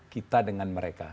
kita dengan mereka